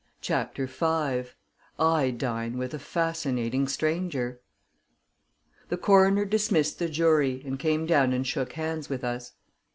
CHAPTER V I Dine with a Fascinating Stranger The coroner dismissed the jury, and came down and shook hands with us.